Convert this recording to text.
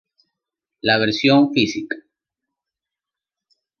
La version fisica.